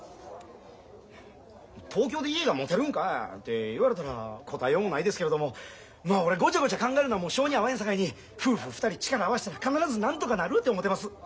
東京で家が持てるんかって言われたら答えようもないですけれどもまあ俺ゴチャゴチャ考えるのはもう性に合わへんさかいに夫婦２人力合わしたら必ずなんとかなるて思てます。